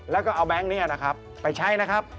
แล้วก็เอาแบงค์นี้นะครับไปใช้นะครับ